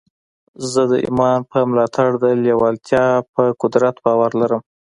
زه د ایمان پر ملاتړ د لېوالتیا پر قدرت باور لرم